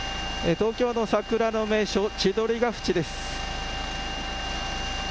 東京の桜の名所、千鳥ケ淵です。